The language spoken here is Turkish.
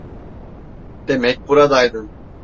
Demek buradaydın.